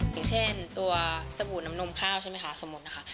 อย่างเช่นตัวสบู่น้ำนมข้าวใช่ไหมคะสมมุตินะคะ